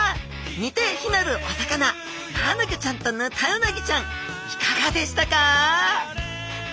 似て非なるお魚マアナゴちゃんとヌタウナギちゃんいかがでしたか？